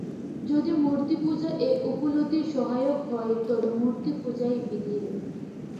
যদি মূর্তিপূজা এ উপলব্ধির সহায়ক হয়, তবে মূর্তিপূজাই বিধেয়।